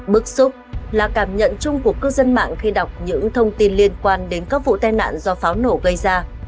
bức xúc là cảm nhận chung của cư dân mạng khi đọc những thông tin liên quan đến các vụ tai nạn do pháo nổ gây ra